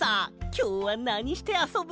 きょうはなにしてあそぶ？